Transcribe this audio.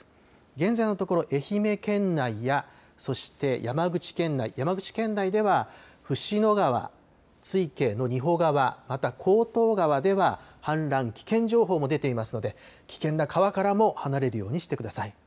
現在のところ、愛媛県内やそして山口県内、山口県内では椹野川は水系の仁保川、また厚東川では氾濫危険情報も出ていますので危険な川からも離れるようにしてください。